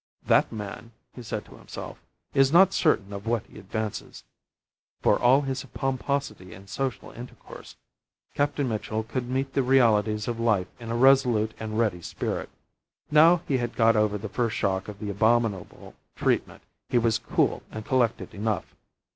"That man," he said to himself, "is not certain of what he advances." For all his pomposity in social intercourse, Captain Mitchell could meet the realities of life in a resolute and ready spirit. Now he had got over the first shock of the abominable treatment he was cool and collected enough.